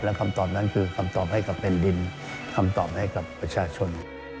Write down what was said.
และคำตอบนั้นคือคำตอบให้กับแผ่นดินคำตอบให้กับประชาชน